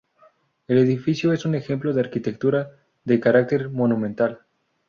El edificio es un ejemplo de arquitectura de carácter monumental.